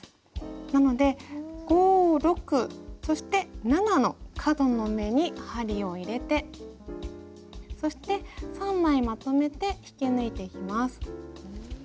なので５６そして７の角の目に針を入れてそして３枚まとめて引き抜いていきます。